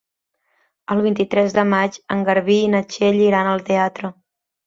El vint-i-tres de maig en Garbí i na Txell iran al teatre.